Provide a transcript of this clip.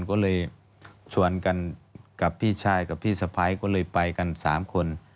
ก็เลยชวนกันกับพี่ชายกับพี่สะพ้ายก็เลยไปกัน๓คน